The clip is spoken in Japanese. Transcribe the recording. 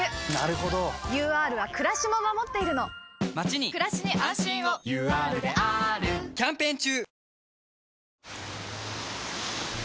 ＵＲはくらしも守っているのまちにくらしに安心をＵＲであーるキャンペーン中！